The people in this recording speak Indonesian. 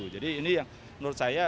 jadi ini yang menurut saya